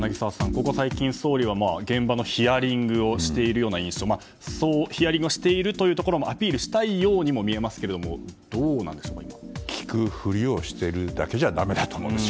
ここ最近、総理は現場のヒアリングをしている印象ですがヒアリングをしているところもアピールしたいようにも見えますけれども聞くふりをしているだけじゃだめだと思います。